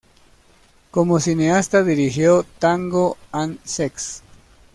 Como cineasta dirigió "Tango and sex".